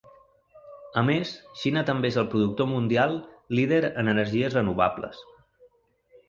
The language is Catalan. A més, Xina també és el productor mundial líder en energies renovables.